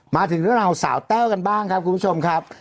มาถึงเรื่องราวสาวแต้วกันบ้างครับคุณผู้ชมครับ